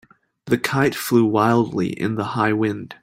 The kite flew wildly in the high wind.